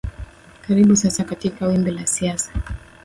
karibu sana katika wimbi la siasa